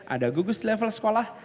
ada gugus level sekolah